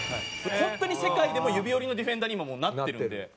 本当に世界でも指折りのディフェンダーに今もうなってるんで。